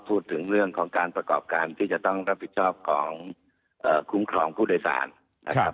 พูดถึงเรื่องของการประกอบการที่จะต้องรับผิดชอบของคุ้มครองผู้โดยสารนะครับ